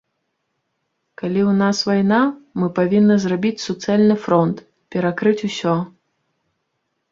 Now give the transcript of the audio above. Калі ў нас вайна, мы павінны зрабіць суцэльны фронт, перакрыць усё.